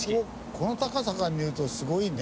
この高さから見るとすごいね。